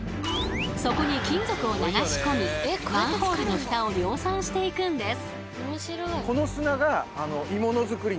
そこに金属を流しこみマンホールのフタを量産していくんです。